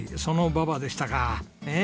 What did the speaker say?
その「ババ」でしたか。